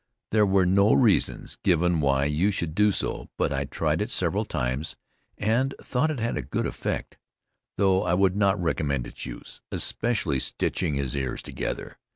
There were no reasons given why you should do so; but I tried it several times, and thought it had a good effect though I would not recommend its use, especially stitching his ears together.